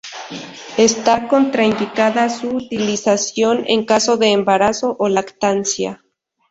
Está contraindicada su utilización en caso de embarazo o lactancia.